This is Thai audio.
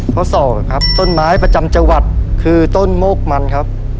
ข้อสองครับต้นไม้ประจำจังหวัดคือต้นโมกมันครับ